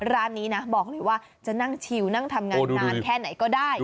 ร้านนี้นะบอกเลยว่าจะนั่งชิวนั่งทำงานนานแค่ไหนก็ได้